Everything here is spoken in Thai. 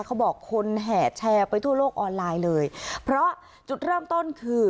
เขาบอกคนแห่แชร์ไปทั่วโลกออนไลน์เลยเพราะจุดเริ่มต้นคือ